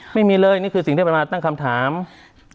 ไม่มีเลยนี่คือสิ่งที่พระอาทิตย์เนียนตั้งคำถาม